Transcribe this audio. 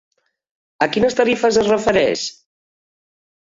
A quines tarifes es refereix?